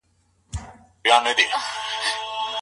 قلمي خط د انسانانو ترمنځ اړیکي پیاوړي کوي.